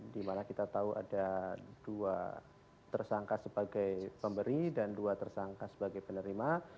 di mana kita tahu ada dua tersangka sebagai pemberi dan dua tersangka sebagai penerima